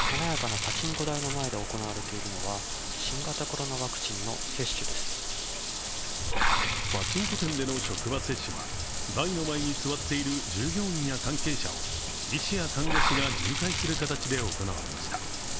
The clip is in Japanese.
パチンコ店での職場接種は台の前に座っている従業員や関係者を医師や看護師が巡回する形で行われました。